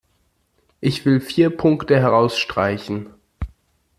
Ich will vier Punkte herausstreichen.